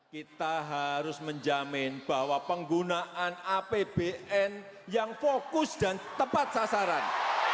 kita harus menjamin bahwa penggunaan apbn yang fokus dan tepat sasaran